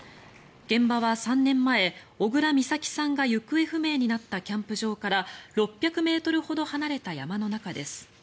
現場は３年前、小倉美咲さんが行方不明になったキャンプ場から６００ｍほど離れた山の中です。